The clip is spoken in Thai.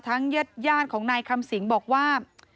ทั้งเย็ดย่านของนายคำสิงบอกว่า